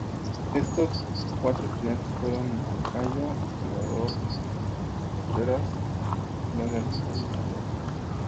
Estos cuatro estudiantes fueron Moncayo, Salvador Contreras, Blas Galindo y Ayala.